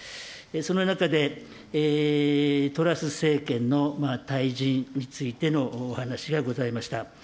その中で、トラス政権の退陣についてのお話がございました。